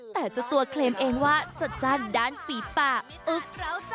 แต่จะตัวเคลมเองว่าจัดจ้านด้านฟีฟ่าอุ๊ปซ์